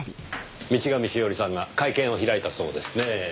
道上しおりさんが会見を開いたそうですねぇ。